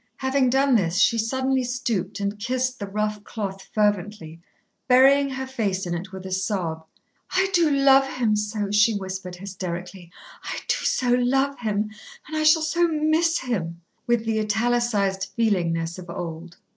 Having done this, she suddenly stooped and kissed the rough cloth fervently, burying her face in it with a sob. "I do love him so!" she whispered, hysterically. "I do so love him, and I shall so miss him!" with the italicised feelingness of old.